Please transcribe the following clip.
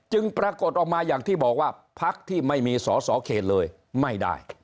ปรากฏออกมาอย่างที่บอกว่าพักที่ไม่มีสอสอเขตเลยไม่ได้